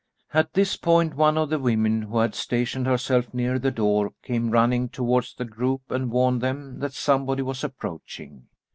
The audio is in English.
At this point one of the women, who had stationed herself near the door, came running towards the group and warned them that somebody was approaching.